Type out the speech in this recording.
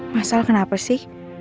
masal kenapa sih